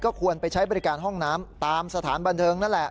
ควรไปใช้บริการห้องน้ำตามสถานบันเทิงนั่นแหละ